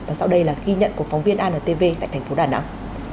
và sau đây là ghi nhận của phóng viên antv tại thành phố đà nẵng